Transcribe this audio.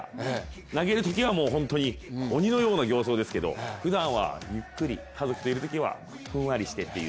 投げるときは本当に鬼のような形相ですけどふだんはゆっくり、家族といるときはふんわりしてという。